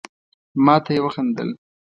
ما ته يي وخندل.